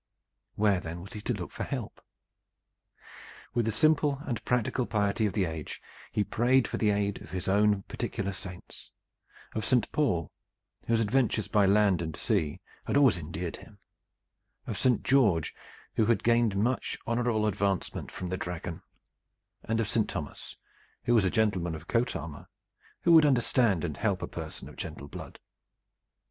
Where then was he to look for help? With the simple and practical piety of the age, he prayed for the aid of his own particular saints: of Saint Paul, whose adventures by land and sea had always endeared him; of Saint George, who had gained much honorable advancement from the Dragon; and of Saint Thomas, who was a gentleman of coat armor, who would understand and help a person of gentle blood.